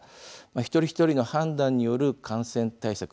一人一人の判断による感染対策